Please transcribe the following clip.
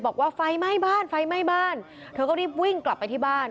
บอกว่าไฟไหม้บ้านไฟไหม้บ้านเธอก็รีบวิ่งกลับไปที่บ้าน